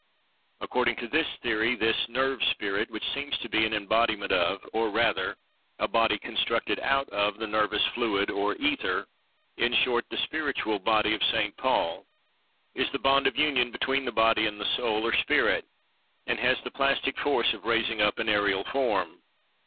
According to this theory, this nerve spirit, which seems to be an embodiment of—or rather, a body constructed out of the nervous fluid, or ether—in short, the spiritual body of St. Paul, is the bond of union between the body and the soul, or spirit; and has the plastic force of raising up an aerial form.